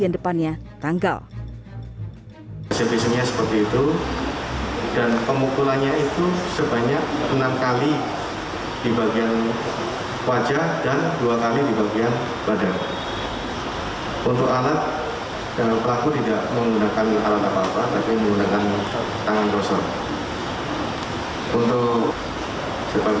dan sudah menjadi pemeriksaan